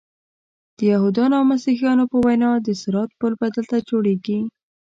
د یهودانو او مسیحیانو په وینا د صراط پل به دلته جوړیږي.